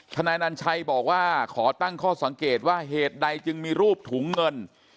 นายนัญชัยบอกว่าขอตั้งข้อสังเกตว่าเหตุใดจึงมีรูปถุงเงิน